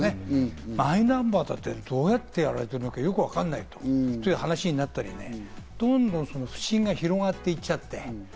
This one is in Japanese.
マイナンバーだって、どうやってやられてるのかよくわからないという話になったり、どんどん不信が広がる。